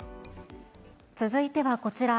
続いてはこちら。